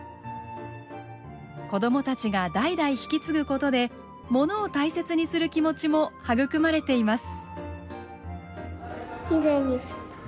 子供たちが代々引き継ぐことでものを大切にする気持ちも育まれています。